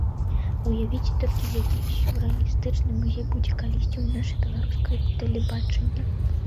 Уявіце толькі, які сюррэалістычны музей будзе калісьці ў нашага беларускага тэлебачання!